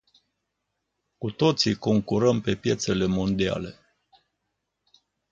Cu toții concurăm pe piețele mondiale.